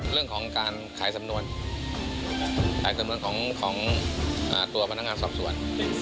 เรื่องของการขายสำนวนขายสำนวนของตัวพนักงานสอบสวน